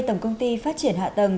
tổng công ty phát triển hạ tầng